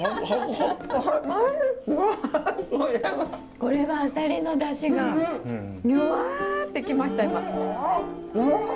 これはあさりの出汁がぎょわって来ました今。